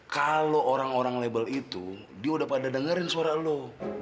kalau orang orang label itu dia udah pada dengerin suara lo